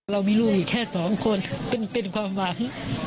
เรามีลูกอีกแค่สองคนเป็นความหวัง